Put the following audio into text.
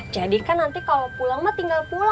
jadi kan nanti kalau pulang mah tinggal pulang